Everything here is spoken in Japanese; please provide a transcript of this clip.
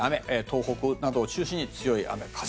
東北などを中心に強い雨風。